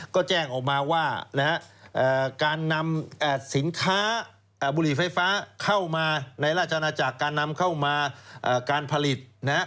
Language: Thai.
ก็แจ้งออกมาว่าการนำสินค้าบุหรี่ไฟฟ้าเข้ามาในราชนาจักรการนำเข้ามาการผลิต